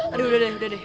aduh udah deh udah deh